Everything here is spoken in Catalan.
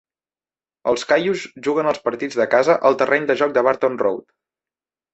Els Caius juguen els partits de casa al terreny de joc de Barton Road.